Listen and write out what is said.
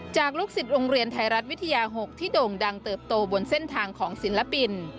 ลูกศิษย์โรงเรียนไทยรัฐวิทยา๖ที่โด่งดังเติบโตบนเส้นทางของศิลปิน